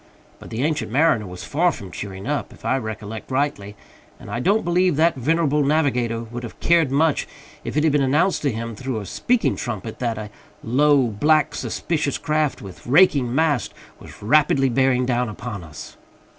But the Ancient Mariner was far from cheering up, if I recollect rightly; and I don't believe that venerable navigator would have cared much if it had been announced to him, through a speaking trumpet, that "a low, black, suspicious craft, with raking masts, was rapidly bearing down upon us!"